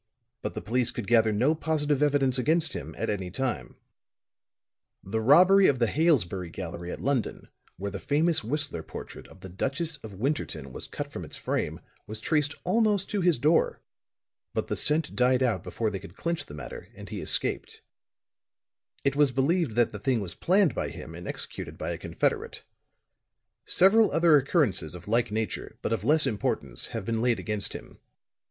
But the police could gather no positive evidence against him, at any time. The robbery of the Hailesbury gallery at London, when the famous Whistler portrait of the Duchess of Winterton was cut from its frame, was traced almost to his door. But the scent died out before they could clinch the matter, and he escaped. It was believed that the thing was planned by him and executed by a confederate. Several other occurrences of like nature, but of less importance, have been laid against him.